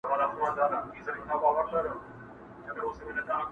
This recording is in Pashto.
چي پر قام دي خوب راغلی په منتر دی.!.!